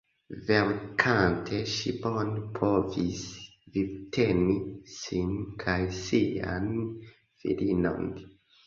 Verkante ŝi bone povis vivteni sin kaj sian filinon.